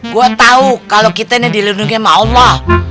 gua tau kalo kita ini dilindungi sama allah